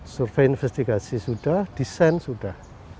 survei investigasi sudah desain sudah